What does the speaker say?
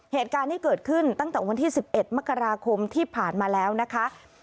เหตุการณ์ที่เกิดขึ้นตั้งแต่วันที่๑๑มกราคมที่ผ่านมาแล้วนะคะ